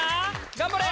頑張れ！